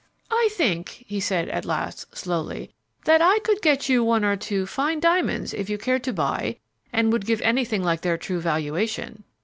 "I think," he said at last, slowly, "that I could get you one or two fine diamonds if you cared to buy and would give anything like their true valuation."